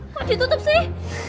kok ditutup sih